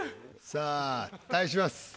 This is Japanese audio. さあ対します